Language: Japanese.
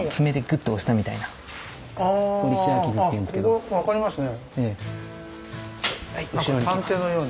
ここ分かりますね。